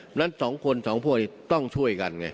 เพราะฉะนั้น๒คน๒พวกนี้ต้องช่วยกัน